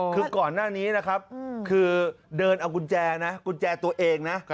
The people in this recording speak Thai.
คือก่อนหน้านี้นะครับคือเดินเอากุญแจนะกุญแจตัวเองนะ